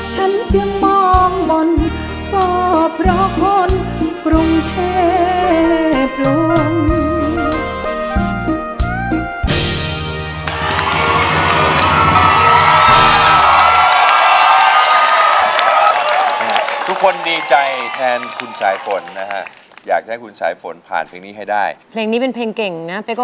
ฉันจึงมองบนก็เพราะคนกรุงเทพลวง